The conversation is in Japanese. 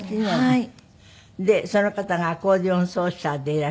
はい。